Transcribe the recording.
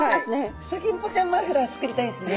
フサギンポちゃんマフラー作りたいですね。